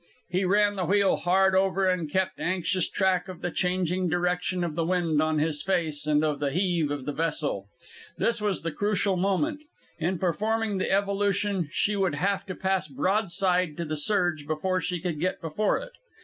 He ran the wheel hard over and kept anxious track of the changing direction of the wind on his face and of the heave of the vessel. This was the crucial moment. In performing the evolution she would have to pass broadside to the surge before she could get before it.